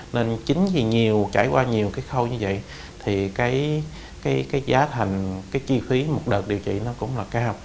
nên chính vì trải qua nhiều khâu như vậy giá thành chi phí một đợt điều trị cũng cao